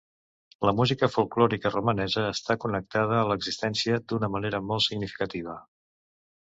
La música folklòrica romanesa està connectada a l'existència d'una manera molt significativa.